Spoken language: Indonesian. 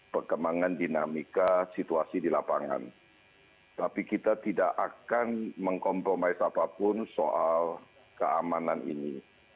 perkembangan dinamika situasi di lapangan tapi kita tidak akan mengkompromize apapun soal keamanan ini